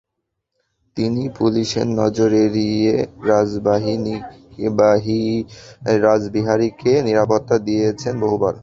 তিনি পুলিশের নজর এড়িয়ে রাসবিহারীকে নিরাপত্তা দিয়েছেন বহুবার।